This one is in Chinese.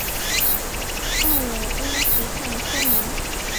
奥尔恩河畔科蒙。